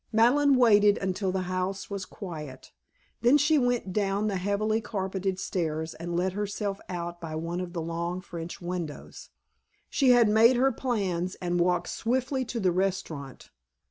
Madeleine waited until the house was quiet. Then she went down the heavily carpeted stairs and let herself out by one of the long French windows. She had made her plans and walked swiftly to the restaurant.